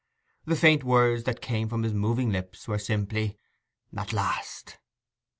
The faint words that came from his moving lips were simply, 'At last!